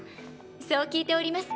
そう聞いております。